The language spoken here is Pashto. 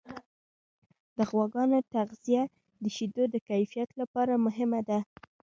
د غواګانو تغذیه د شیدو د کیفیت لپاره مهمه ده.